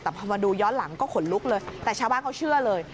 แต่พอมาดูย้อนหลังก็ขนลุกเลยแต่ชาวบ้านเขาเชื่อเลย